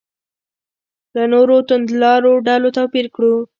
له نورو توندلارو ډلو توپیر کړو.